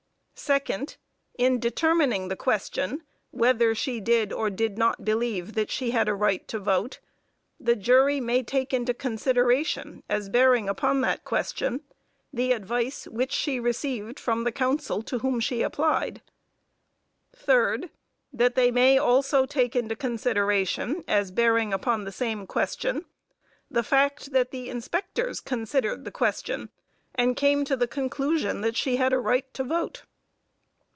Second In determining the question whether she did or did not believe that she had a right to vote, the jury may take into consideration, as bearing upon that question, the advice which she received from the counsel to whom she applied. Third That they may also take into consideration, as bearing upon the same question, the fact that the inspectors considered the question and came to the conclusion that she had a right to vote.